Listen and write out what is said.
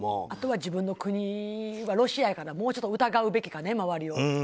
あとは、自分の国がロシアやからもうちょっと疑うべきかね周りを。